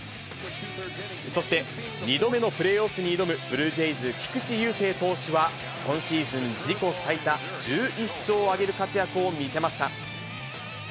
そして２度目のプレーオフに挑むブルージェイズ、菊池雄星投手は、今シーズン自己最多、１１勝を挙げる活躍を見せました。